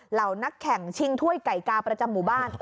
เหล่านักแข่งชิงถ้วยไก่กาประจำหมู่บ้าน